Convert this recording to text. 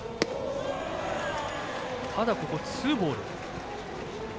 ただ、ここもツーボール。